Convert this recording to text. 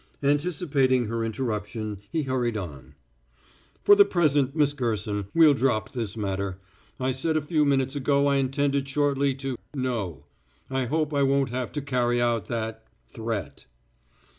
Anticipating her interruption, he hurried on: "For the present, Miss Gerson, we'll drop this matter. I said a few minutes ago I intended shortly to know. I hope I won't have to carry out that threat."